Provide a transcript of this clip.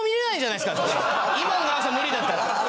今の長さ無理だったら。